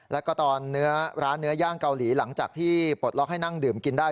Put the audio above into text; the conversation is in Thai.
แล้วก็ตอนเนื้อร้านเนื้อย่างเกาหลีหลังจากที่ปลดล็อกให้นั่งดื่มกินได้